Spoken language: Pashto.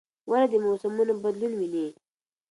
ونه د موسمونو بدلون ویني.